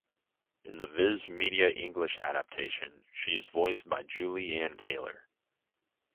In the Viz Media English adaptation, she is voiced by Julie Ann Taylor.